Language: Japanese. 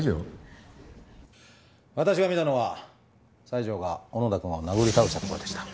私が見たのは西条が小野田くんを殴り倒したところでした。